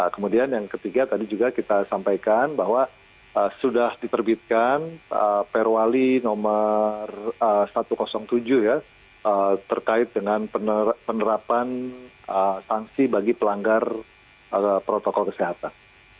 kemudian yang ketiga tadi juga kita sampaikan bahwa sudah diterbitkan perwali nomor satu ratus tujuh ya terkait dengan penerapan sanksi bagi pelanggar protokol kesehatan